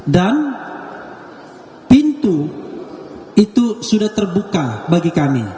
dan pintu itu sudah terbuka bagi kami